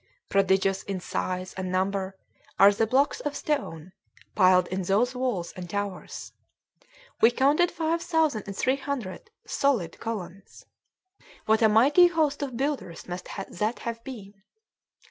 Prodigious in size and number are the blocks of stone piled in those walls and towers. We counted five thousand and three hundred solid columns. What a mighty host of builders must that have been!